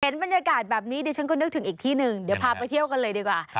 บรรยากาศแบบนี้ดิฉันก็นึกถึงอีกที่หนึ่งเดี๋ยวพาไปเที่ยวกันเลยดีกว่า